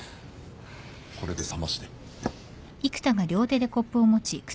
これでさまして。